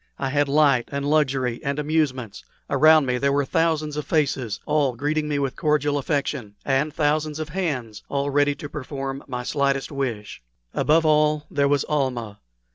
I had light and luxury and amusements. Around me there were thousands of faces, all greeting me with cordial affection, and thousands of hands all ready to perform my slightest wish. Above all, there was Almah.